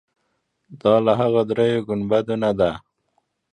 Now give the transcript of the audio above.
دا له هغو درېیو ګنبدونو ده.